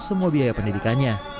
semua biaya pendidikannya